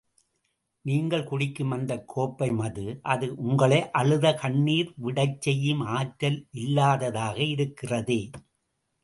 நீங்கள் குடிக்கும் அந்தக் கோப்பை மது, அது உங்களை அழுது கண்ணிர் விடச் செய்யும் ஆற்றல் இல்லாததாக இருக்கிறதே!